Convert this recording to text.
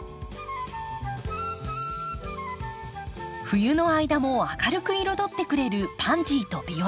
冬の間も明るく彩ってくれるパンジーとビオラ。